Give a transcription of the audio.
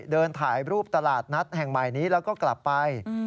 เดินถ่ายรูปตลาดนัดแห่งใหม่นี้แล้วก็กลับไป